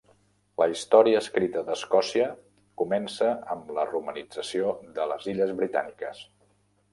La història escrita d'Escòcia comença amb la romanització de les illes Britàniques.